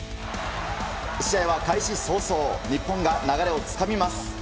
試合は開始早々、日本が流れをつかみます。